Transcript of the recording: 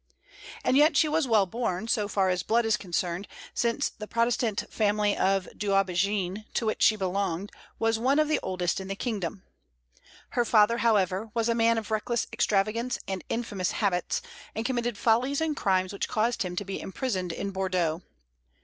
And yet she was well born, so far as blood is concerned, since the Protestant family of D'Aubigné to which she belonged was one of the oldest in the kingdom. Her father, however, was a man of reckless extravagance and infamous habits, and committed follies and crimes which caused him to be imprisoned in Bordeaux.